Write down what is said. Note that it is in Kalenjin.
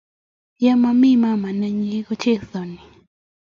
Yamami mama nenyi kochesani.